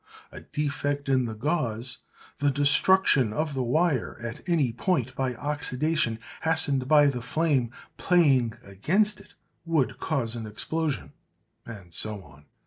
A defect in the gauze, the destruction of the wire at any point by oxidation hastened by the flame playing against it, would cause explosion;' and so on.